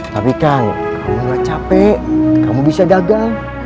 tapi kan kamu gak capek kamu bisa gagal